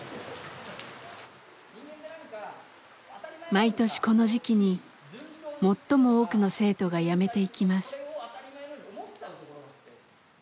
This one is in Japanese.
毎年この時期に最も多くの生徒がやめていきます。